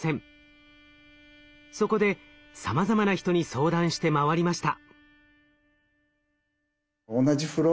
そこでさまざまな人に相談して回りました。